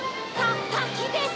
たきです！